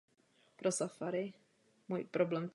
Jeho hlavním cílem je šíření olympijských principů v Evropě.